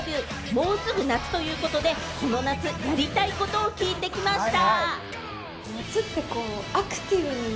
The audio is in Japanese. もうすぐ夏ということで、この夏やりたいことを聞いてきました。